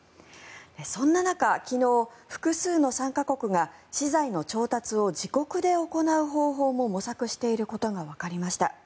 そんな中、昨日、複数の参加国が資材の調達を自国で行う方法も模索していることがわかりました。